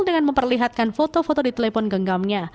dengan memperlihatkan foto foto di telepon genggamnya